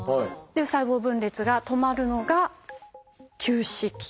細胞分裂が止まるのが「休止期」。